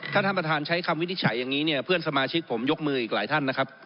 ถ้าท่านประธานใช้คำวินิจฉัยอย่างนี้เนี่ยเพื่อนสมาชิกผมยกมืออีกหลายท่านนะครับ